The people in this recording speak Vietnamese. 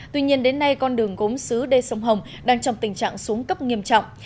tuy nhiên đến nay con đường gốm xứ đê sông hồng đang trong tình trạng xuống cấp nghiêm trọng